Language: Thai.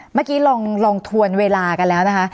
เมื่อกี้ลองทวนเวลากันแล้วนะคะ